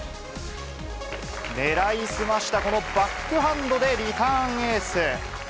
狙い澄ましたこのバックハンドでリターンエース。